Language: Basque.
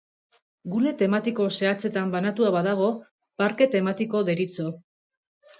Gune tematiko zehatzetan banatua badago, parke tematiko deritzo.